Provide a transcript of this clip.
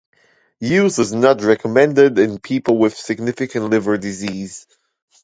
Use is not recommended in people with significant liver disease.